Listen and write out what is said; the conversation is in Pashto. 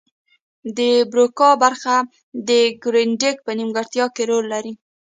د بروکا برخه د ګړیدنګ په نیمګړتیا کې رول لري